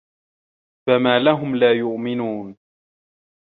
فَما لَهُم لا يُؤمِنونَ